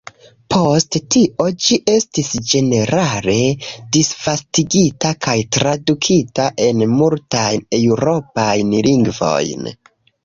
Post tio ĝi estis ĝenerale disvastigita kaj tradukita en multajn Eŭropajn lingvojn.